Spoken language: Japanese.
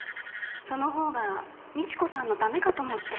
その方が美知子さんのためかと思って。